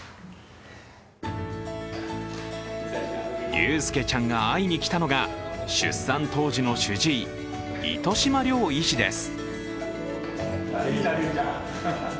竜佑ちゃんが会いに来たのが出産当時の主治医・糸島亮医師です。